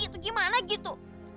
itu gimana gitu